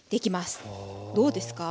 どうですか？